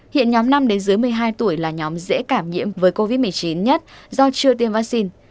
hiện nhóm năm đến dưới một mươi hai tuổi là nhóm dễ cảm nhiễm với covid một mươi chín nhất do chưa tiêm vaccine